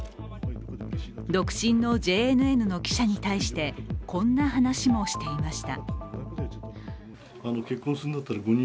独身のＪＮＮの記者に対して、こんな話もしていました。